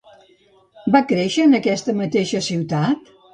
Va créixer en aquesta mateixa ciutat?